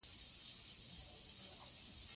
د کلیزو منظره د افغانستان د کلتوري میراث برخه ده.